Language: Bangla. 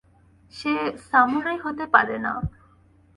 সে সামুরাই হতে পারে না!